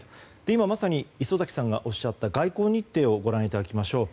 今まさに礒崎さんがおっしゃった外交日程をご覧いただきましょう。